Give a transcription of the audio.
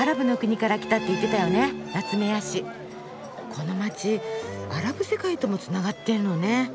この街アラブ世界ともつながってるのね。